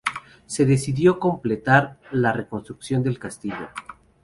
Se decidió completar la reconstrucción del castillo.